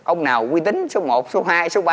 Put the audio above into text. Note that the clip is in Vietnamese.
ông nào quy tính số một số hai số ba